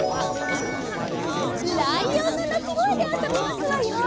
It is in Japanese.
ライオンのなきごえであそびますわよ！